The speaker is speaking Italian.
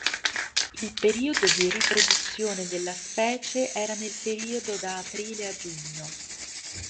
Il periodo di riproduzione della specie era nel periodo da aprile a giugno.